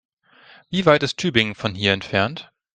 Wie weit ist Tübingen von hier entfernt?